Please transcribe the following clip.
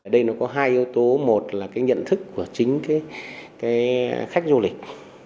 đây nó có hai yếu tố một là cái nhận thức của chính cái khách du lịch